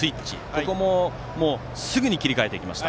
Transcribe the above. ここもすぐに切り替えていきました。